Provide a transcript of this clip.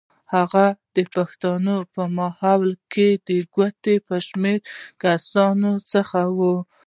هغه د پښتنو په ماحول کې د ګوتو په شمېر کسانو څخه و.